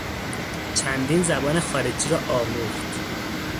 چندین زبان خارجی را آموخت.